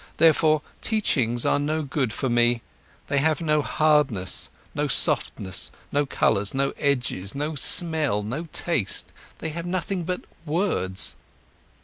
Therefore, teachings are no good for me, they have no hardness, no softness, no colours, no edges, no smell, no taste, they have nothing but words.